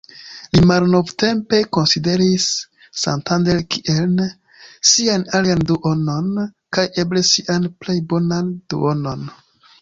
Li malnovtempe konsideris Santander kiel ""sian alian duonon, kaj eble sian plej bonan duonon"".